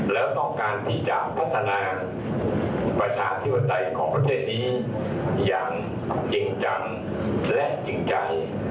และต้องการที่จะพัฒนาประชาธิปไตยของประเทศนี้อย่างจริงจังและจริงจัง